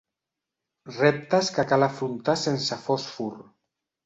Reptes que cal afrontar sense fòsfor.